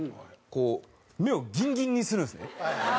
こう目をギンギンにするんですね。